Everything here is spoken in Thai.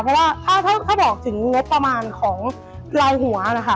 เพราะว่าถ้าบอกถึงงบประมาณของเราหัวนะคะ